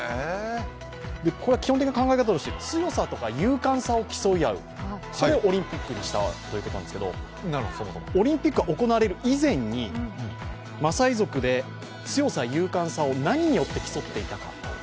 基本的な考え方として、強さとか勇敢さを競い合う、それをオリンピックにしたということなんですけど、オリンピックが行われる以前にマサイ族で強さ、勇敢さを何によって競っていたか。